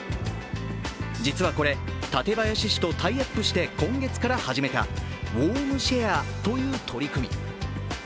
実はこれ、館林市とタイアップして今月から始めたウォームシェアという取り組み。